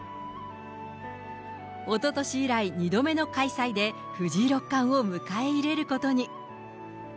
おととし以来２度目の開催で、藤井六冠を迎え入れることに。